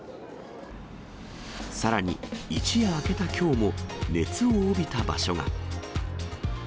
さらに、一夜明けたきょうも、熱を帯びた場所が。